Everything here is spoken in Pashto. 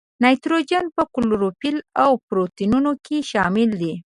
نایتروجن په کلوروفیل او پروټینونو کې شامل دی.